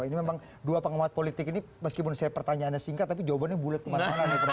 ini memang dua penguat politik ini meskipun pertanyaannya singkat tapi jawabannya bulet kemasangan ya